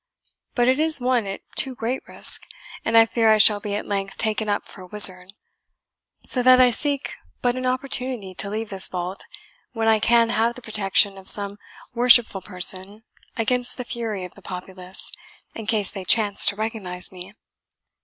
But it is won at too great risk, and I fear I shall be at length taken up for a wizard; so that I seek but an opportunity to leave this vault, when I can have the protection of some worshipful person against the fury of the populace, in case they chance to recognize me."